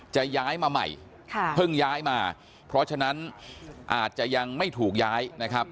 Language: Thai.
จะย้ายมาใหม่เพิ่งย้ายมาเพราะฉะนั้นอาจจะยังไม่ถูกย้ายนะครับ